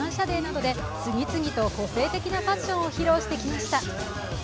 デーなどで次々と個性的なファッションを披露してきました。